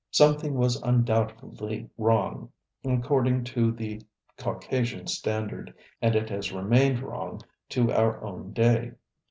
Something was undoubtedly wrong, according to the Caucasian standard, and it has remained wrong to our own day.